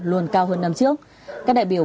luôn cao hơn năm trước các đại biểu